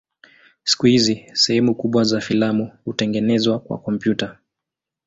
Siku hizi sehemu kubwa za filamu hutengenezwa kwa kompyuta.